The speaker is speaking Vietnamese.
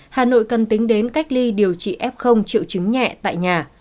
hà nội cần tính đến cách ly điều trị f triệu chứng nhẹ tại nhà